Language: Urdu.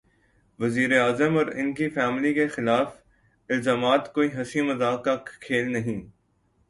وزیر اعظم اور ان کی فیملی کے خلاف الزامات کوئی ہنسی مذاق کا کھیل نہیں۔